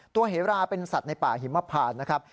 เหราเป็นสัตว์ในป่าหิมพานนะครับ